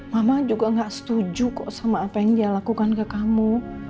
mama juga gak setuju kok sama apa yang dia lakukan ke kamu